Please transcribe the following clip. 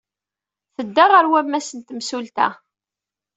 Tedda ɣer wammas n temsulta.